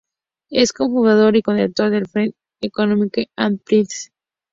Es cofundador y codirector del "Center for Economic and Policy Research".